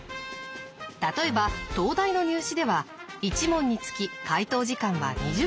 例えば東大の入試では１問につき解答時間は２０分から３０分。